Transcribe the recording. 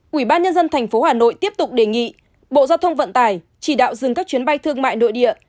quỹ ban nhân dân tp hà nội tiếp tục đề nghị bộ giao thông vận tải chỉ đạo dừng các chuyến bay thương mại nội địa